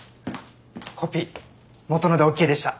コピー元のでＯＫでした。